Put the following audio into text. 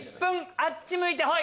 あっち向いてホイ！